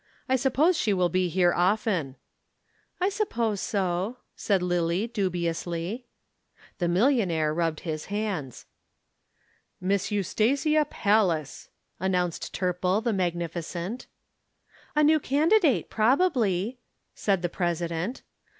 I suppose she will be here often." "I suppose so," said Lillie dubiously. The millionaire rubbed his hands. "Miss Eustasia Pallas," announced Turple the magnificent. "A new candidate, probably," said the President.